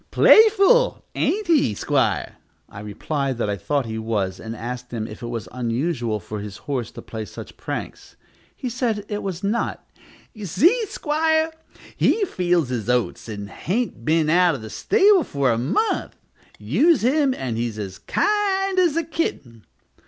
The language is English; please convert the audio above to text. "Playful, ain't he, 'squire?" I replied that I thought he was, and asked him if it was usual for his horse to play such pranks. He said it was not "You see, 'squire, he feels his oats, and hain't been out of the stable for a month. Use him, and he's as kind as a kitten."